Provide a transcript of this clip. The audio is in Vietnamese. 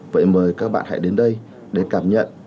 vậy mời các bạn hãy đến đây để cảm nhận